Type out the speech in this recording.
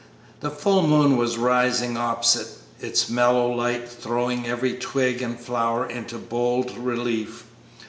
The full moon was rising opposite, its mellow light throwing every twig and flower into bold relief.